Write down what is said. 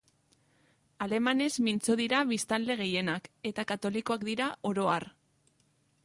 Alemanez mintzo dira biztanle gehienak, eta katolikoak dira, oro har.